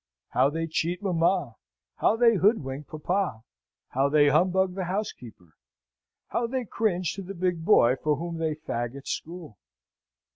How they cheat mamma! how they hoodwink papa! how they humbug the housekeeper! how they cringe to the big boy for whom they fag at school!